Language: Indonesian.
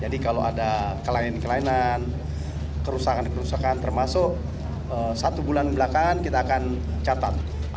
jadi kalau ada kelainan kelainan kerusakan kerusakan termasuk satu bulan belakangan kita akan catat